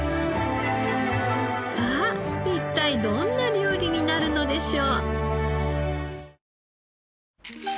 さあ一体どんな料理になるのでしょう？